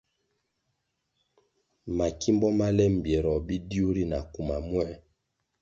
Makimbo ma le mbpieroh bidiu ri na kuma múer,